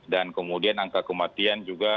dan kemudian angka kematian juga